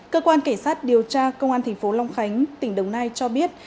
cơ quan cảnh sát điều tra công an tp long khánh tỉnh đồng nai cho biết